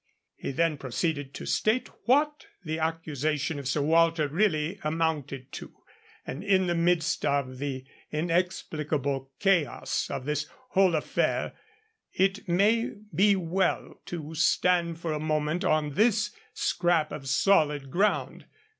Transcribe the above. He then proceeded to state what the accusation of Sir Walter really amounted to, and in the midst of the inexplicable chaos of this whole affair it may be well to stand for a moment on this scrap of solid ground.